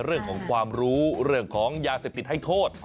เรื่องของความรู้เรื่องของยาเสพติดให้โทษ